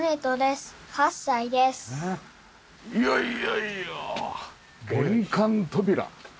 いやいやいや玄関扉。